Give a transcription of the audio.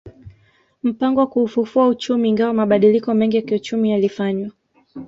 Mpango wa kuufufua uchumi Ingawa mabadiliko mengi ya kiuchumi yalifanywa